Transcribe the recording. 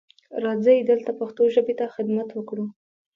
راځئ دلته پښتو ژبې ته خدمت وکړو.